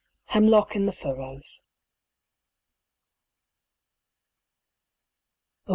HEMLOCK IN THE FURROWS. I.